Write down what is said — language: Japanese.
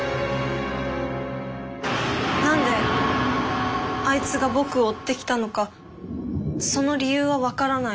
「なんであいつが僕を追って来たのかその理由は分からない。